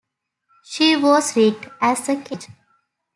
She was rigged as a ketch.